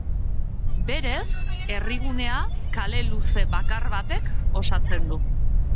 Berez, herrigunea kale luze bakar batek osatzen du.